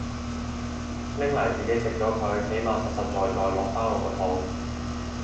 拎嚟自己食咗佢起碼實實在在落返我個肚